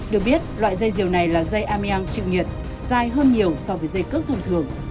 được biết loại dây diều này là dây ameang chịu nhiệt dài hơn nhiều so với dây cước thông thường